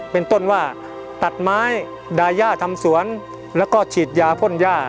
เป็นต้นว่าตัดไม้ดาย่าทำสวนแล้วก็ฉีดยาพ่นย่า